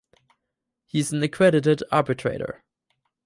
He is an accredited arbitrator.